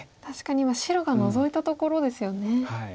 確かに白がノゾいたところですよね。